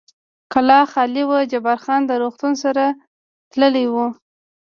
کلا خالي وه، جبار خان د روغتون سره تللی و.